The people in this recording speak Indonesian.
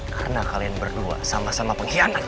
karena kalian berdua sama sama pengkhianat